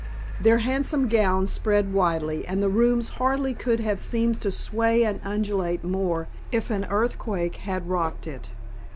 Their handsome gowns spread widely and the rooms hardly could have seemed to sway and undulate more if an earthquake had rocked it.